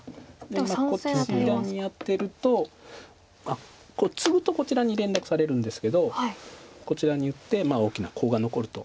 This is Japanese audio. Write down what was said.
あっツグとこちらに連絡されるんですけどこちらに打って大きなコウが残ると。